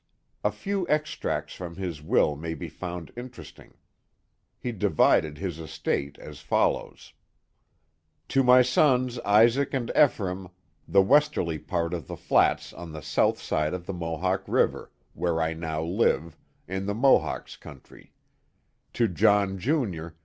A few extracts from his will may be found interesting. Me divided his estate as follows: To my sons Isaac and Ephraim, the westerly part of the flats ori The south side of the Mohawk River, where I now live, in the Mohawks' country; to John, Jr.